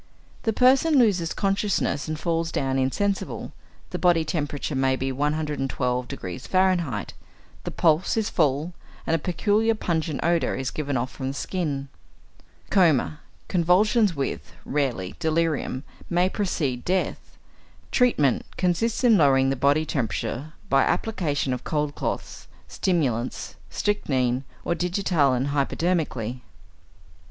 = The person loses consciousness and falls down insensible; the body temperature may be 112° F., the pulse is full, and a peculiar pungent odour is given off from the skin. Coma, convulsions with (rarely) delirium, may precede death. Treatment consists in lowering the body temperature by application of cold cloths, stimulants, strychnine or digitalin hypodermically. XXIII.